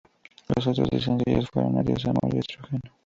Los otros dos sencillos fueron "Adiós amor" y "Estrógeno".